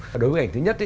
đối với bức ảnh thứ nhất